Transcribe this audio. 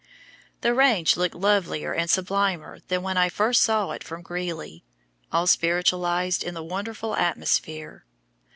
The Range looked lovelier and sublimer than when I first saw it from Greeley, all spiritualized in the wonderful atmosphere.